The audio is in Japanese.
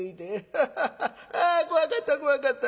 アハハハあ怖かった怖かった。